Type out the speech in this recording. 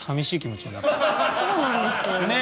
そうなんですよね。